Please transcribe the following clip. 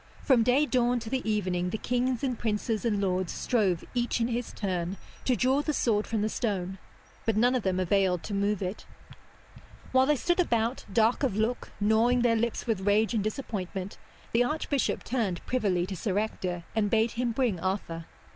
From day dawn to the evening the kings and princes and lords strove each in his turn to draw the sword from the stone. But none of them availed to move it. While they stood about, dark of look, gnawing their lips with rage and disappointment, the archbishop turned privily to Sir Ector and bade him bring Arthur.